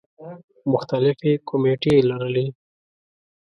مختلفې کومیټې یې لرلې.